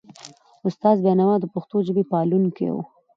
استاد بینوا د پښتو ژبي پالونکی و.